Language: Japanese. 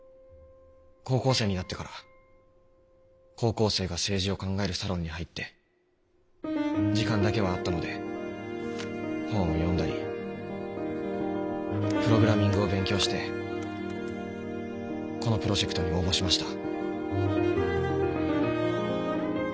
高校生になってから高校生が政治を考えるサロンに入って時間だけはあったので本を読んだりプログラミングを勉強してこのプロジェクトに応募しました。